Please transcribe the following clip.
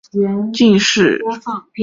后汉干佑二年窦偁中进士。